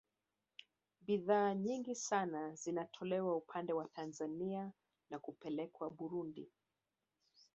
Bidhaa nyingi sana zinatolewa upande wa Tanzania na kupelekwa Burundi